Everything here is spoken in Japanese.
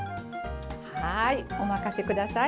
はーい、お任せください。